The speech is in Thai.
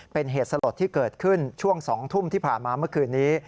เป็นเหตุสลดที่เกิดขึ้นช่วง๒ทุ่มที่ผ่านมาเมื่อคืนนี้